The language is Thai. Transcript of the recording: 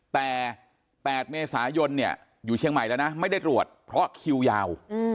แต่๘เมษายนอยู่เชียงใหม่แล้วนะไม่ได้ตรวจเพราะคิวยาว